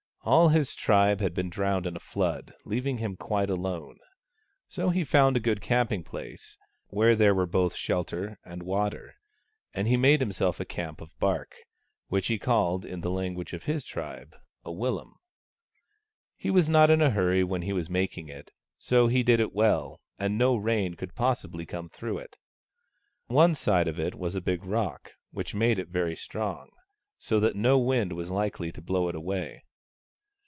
All his tribe had been drowned in a flood, leaving him quite alone. So he found a good camping place, where there were both shelter and water, and he made himself a camp of bark, which he called, in the language of his tribe, a willum. He was not in a hurry when he was making it, so he did it well, and no rain could possibly come through it. One side of it was a big rock, which made it very strong, so that no wind was likely to blow it away.